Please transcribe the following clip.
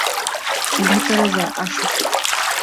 ভিতরে যা - আসো।